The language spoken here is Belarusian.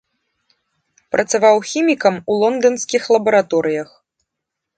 Працаваў хімікам у лонданскіх лабараторыях.